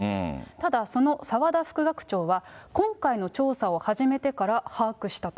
ただ、その澤田副学長は、今回の調査を始めてから把握したと。